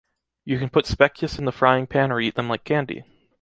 You can put Spekjes in the frying pan or eat them like candy.